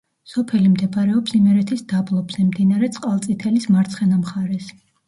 სოფელი მდებარეობს იმერეთის დაბლობზე, მდინარე წყალწითელის მარცხენა მხარეს.